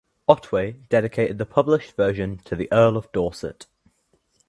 Otway dedicated the published version to the Earl of Dorset.